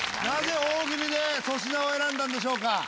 なぜ大喜利で粗品を選んだんでしょうか？